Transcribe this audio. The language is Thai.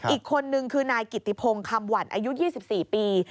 อีกคนนึงคือนายกิติพงศ์คำหวั่นอายุ๒๔ปี